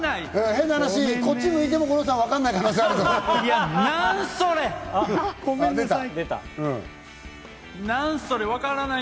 変な話、こっち向いても五郎さんは分かんないかもしれない。